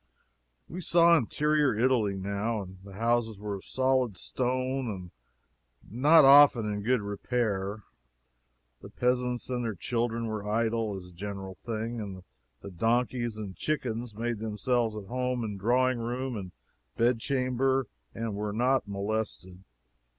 We saw interior Italy, now. The houses were of solid stone, and not often in good repair. The peasants and their children were idle, as a general thing, and the donkeys and chickens made themselves at home in drawing room and bed chamber and were not molested.